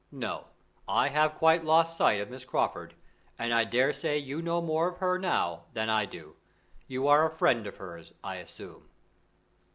No, I have quite lost sight of Miss Crawford, and I daresay you know more of her now than I do. You are a friend of hers, I assume."